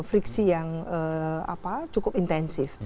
friksi yang cukup intensif